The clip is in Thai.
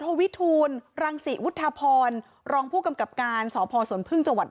วิทูลรังศรีวุฒพรรองผู้กำกับการสพสวนพึ่งจังหวัด